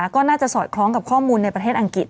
ก็น่าจะสอดคล้องกับข้อมูลในประเทศอังกฤษ